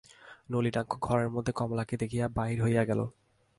নলিনাক্ষ ঘরের মধ্যে কমলাকে দেখিয়া বাহির হইয়া গেল।